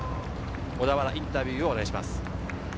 小田原、インタビューをお願いします。